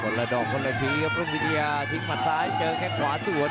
ละดอกคนละทีครับรุ่งวิทยาทิ้งหมัดซ้ายเจอแค่งขวาสวน